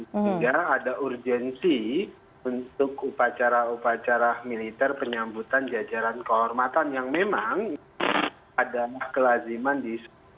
sehingga ada urgensi untuk upacara upacara militer penyambutan jajaran kehormatan yang memang adalah kelaziman di